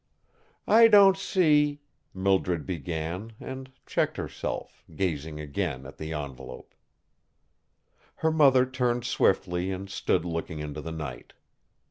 "I don't see " Mildred began, and checked herself, gazing again at the envelope. Her mother turned swiftly and stood looking into the night.